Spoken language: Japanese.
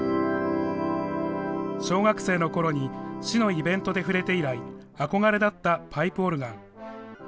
小学生のころに、市のイベントで触れて以来、憧れだったパイプオルガン。